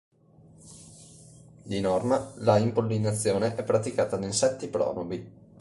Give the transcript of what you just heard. Di norma la impollinazione è praticata da insetti pronubi.